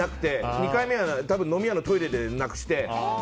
２回目は多分飲み屋のトイレでなくして。